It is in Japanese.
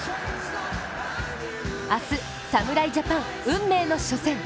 明日、侍ジャパン運命の初戦。